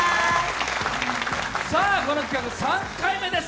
この企画、３回目です。